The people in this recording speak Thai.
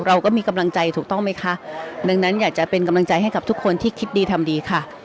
เราก็มีกำลังใจถูกต้องไหมคะดังนั้นอยากจะเป็นกำลังใจให้กับทุกคนที่คิดดีทำดีค่ะ